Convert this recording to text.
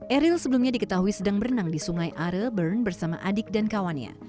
eril sebelumnya diketahui sedang berenang di sungai are bern bersama adik dan kawannya